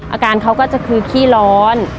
อาการเขาก็จะคือขี้ร้อน